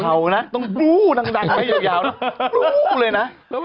เฮ่าต้องดูดังไปยาวต้องดูดังยังเดียว